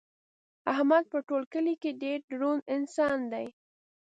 احمد په ټول کلي کې ډېر دروند انسان دی.